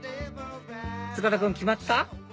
塚田君決まった？